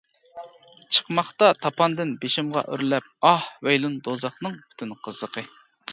چىقماقتا تاپاندىن بېشىمغا ئۆرلەپ ئاھ، ۋەيلۇن دوزاخنىڭ پۈتۈن قىزىقى.